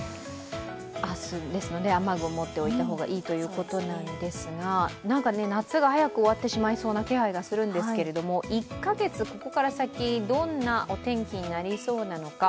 ですので雨具を持っておいた方がいいということなんですが夏が早く終わってしまいそうな気配があるんですが、１カ月ここから先、どんなお天気になりそうなのか